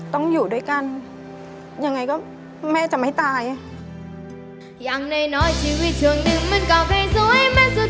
ต้องอยู่ด้วยกัน